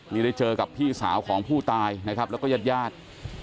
นี่ได้เจอกับพี่สาวของผู้ตายนะครับแล้วก็ญาติญาติ